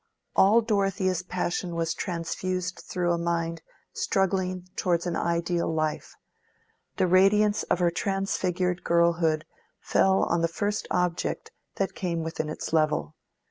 All Dorothea's passion was transfused through a mind struggling towards an ideal life; the radiance of her transfigured girlhood fell on the first object that came within its level.